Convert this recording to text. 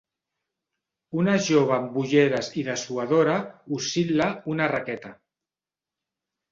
Una jove amb ulleres i dessuadora oscil·la una raqueta.